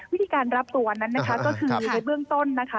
วิธีการรับตัวนั้นก็คือในเบื้องต้น